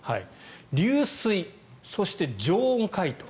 流水、そして常温解凍